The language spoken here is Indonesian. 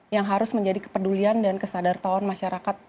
yang harus menjadi kepedulian dan kesadar tahun masyarakat